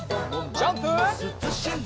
ジャンプ！